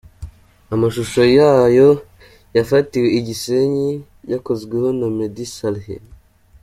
Amashusho yayo yafatiwe i Gisenyi, yakozweho na Meddy Saleh.